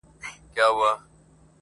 o شپه که تياره ده، مڼې په شمار دي!